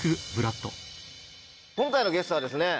今回のゲストはですね